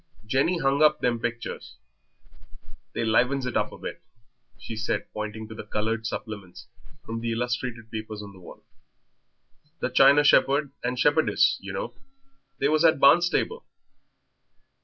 Jenny hung up them pictures. They livens it up a bit," she said, pointing to the coloured supplements, from the illustrated papers, on the wall. "The china shepherd and shepherdess, you know; they was at Barnstaple."